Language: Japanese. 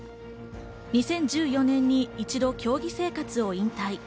２０１４年に一度、競技生活を引退。